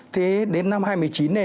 thế đến năm hai nghìn một mươi chín này